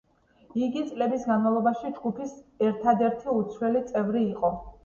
იგი წლების განმავლობაში ჯგუფის ერთადერთი უცვლელი წევრი იყო.